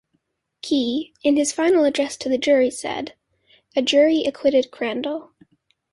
Key, in his final address to the jury said: A jury acquitted Crandall.